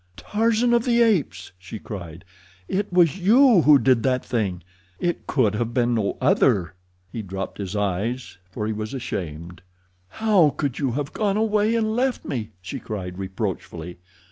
"Tarzan of the Apes," she cried, "it was you who did that thing? It could have been no other." He dropped his eyes, for he was ashamed. "How could you have gone away and left me?" she cried reproachfully.